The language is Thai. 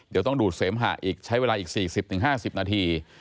เดี๋ยวต้องดูดเสมหะอีกใช้เวลาอีก๔๐๕๐นาที